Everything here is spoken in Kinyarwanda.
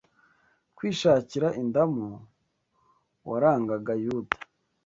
kwishakira indamu warangaga Yuda